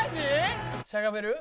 しゃがめる？